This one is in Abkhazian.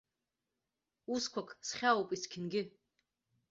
Усқәак схьаауп есқьынгьы.